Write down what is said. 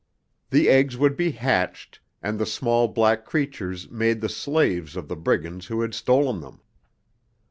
The eggs would be hatched, and the small black creatures made the slaves of the brigands who had stolen them.